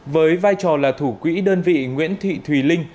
với vai trò là thủ quỹ đơn vị nguyễn thị thùy linh